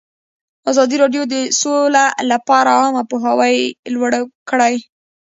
ازادي راډیو د سوله لپاره عامه پوهاوي لوړ کړی.